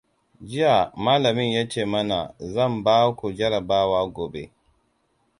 "Jiya malamin ya ce mana, ""Zan ba ku jarabawa gobe."""